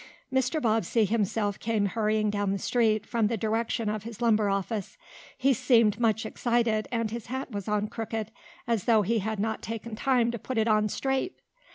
Mr. Bobbsey himself came hurrying down the street, from the direction of his lumber office. He seemed much excited, and his hat was on crooked, as though he had not taken time to put it on straight.